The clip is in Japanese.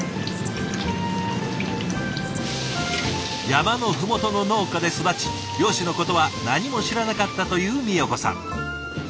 山の麓の農家で育ち漁師のことは何も知らなかったというみよ子さん。